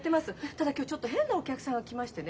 ただ今日ちょっと変なお客さんが来ましてね。